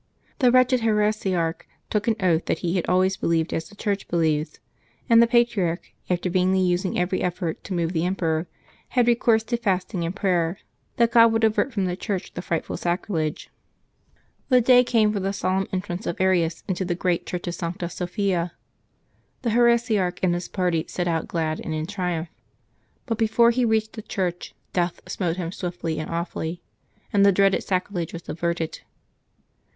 The wretched heresiarch took an oath that he had always believed as the Church believes; and the patriarch, after vainly using every effort to move the emperor, had recourse to fasting and prayer, that God would avert from the Church the frightful sacrilege. The 166 LIVES OF THE SAINTS [Mat 3 day came for the solemn entrance of Arius into the great church of Sancta Sophia. The heresiarch and his party set out glad and in triumph. But before he reached the church, death smote him swiftly and awfully, and the dreaded sacrilege was averted.